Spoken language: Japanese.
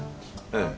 ええ。